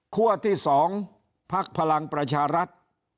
ที่๒พักพลังประชารัฐ